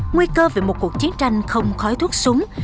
nguy cơ về một cuộc chiến tranh không khói thuốc súng